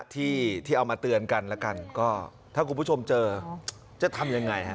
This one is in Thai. ที่เอามาเตือนกันแล้วกันก็ถ้าคุณผู้ชมเจอจะทำยังไงฮะ